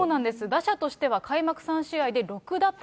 打者としては開幕３試合で６打点。